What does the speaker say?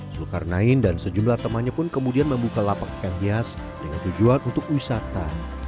zulkarnain dan sejumlah temannya pun kemudian membuka lapak ikan hias dengan tujuan untuk wisata